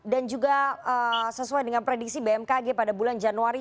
dan juga sesuai dengan prediksi bmkg pada bulan januari